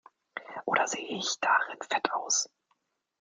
Oder sehe ich darin fett aus?